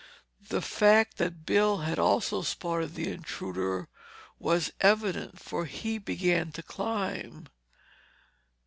The fact that Bill had also spotted the intruder was evident, for he began to climb.